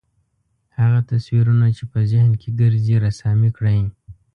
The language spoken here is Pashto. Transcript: هغه تصویرونه چې په ذهن کې ګرځي رسامي کړئ.